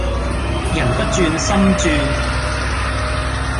人不轉心轉